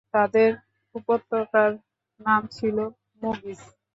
তাদের উপত্যকার নাম ছিল মুগীছ।